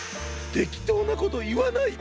てきとうなこといわないで！